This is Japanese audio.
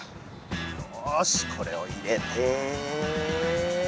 よしこれを入れてよし。